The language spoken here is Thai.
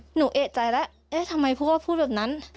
หนูเอกใจแล้วเอ๊ะทำไมผู้ว่าพูดแบบนั้น